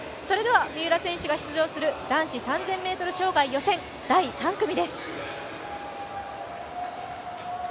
三浦選手が出場する男子３０００ｍ障害予選、第３組です。